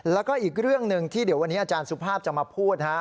แล้วก็อีกเรื่องหนึ่งที่เดี๋ยววันนี้อาจารย์สุภาพจะมาพูดฮะ